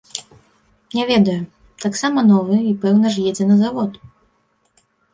Не ведаю, таксама новы і пэўна ж едзе на завод.